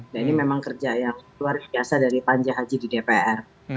dan ini memang kerja yang luar biasa dari panja haji di dpr